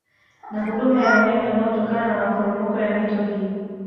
Na huduma ya umeme unaotokana na maporomoko ya mito hii